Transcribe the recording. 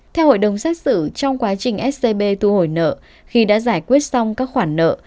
theo hội đồng xét xử trong quá trình scb thu hồi nợ khi đã giải quyết xong các khoản nợ